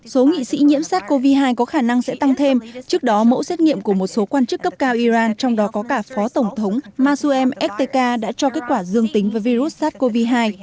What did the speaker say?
số nghị sĩ nhiễm sars cov hai có khả năng sẽ tăng thêm trước đó mẫu xét nghiệm của một số quan chức cấp cao iran trong đó có cả phó tổng thống masom ekteka đã cho kết quả dương tính với virus sars cov hai